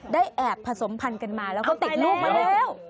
ได้แอบผสมพันธ์กันมาแล้วก็ติดลูกมาแล้ว